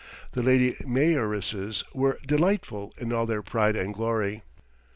The lady mayoresses were delightful in all their pride and glory.